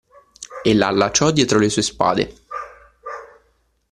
E la allacciò dietro le sue spade